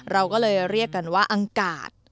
เราก็เลยเรียกกันว่าอังกาศ